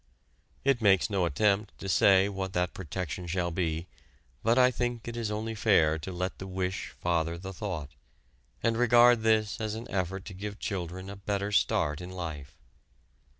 It makes no attempt to say what that protection shall be, but I think it is only fair to let the wish father the thought, and regard this as an effort to give children a better start in life.